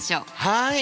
はい！